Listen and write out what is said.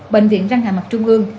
bệnh viện răng hạ mặt trung ương